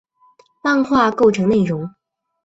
漫画构成内容。